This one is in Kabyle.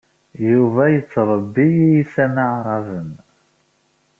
Yuba yettṛebbi iysan aɛṛaben.